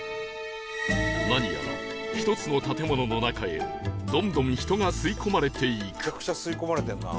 何やら１つの建物の中へどんどんめちゃくちゃ吸い込まれてるな。